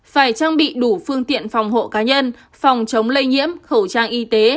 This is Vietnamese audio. phải trang bị đủ phương tiện phòng hộ cá nhân phòng chống lây nhiễm khẩu trang y tế